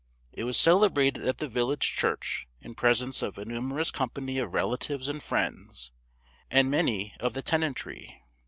It was celebrated at the village church in presence of a numerous company of relatives and friends, and many of the tenantry.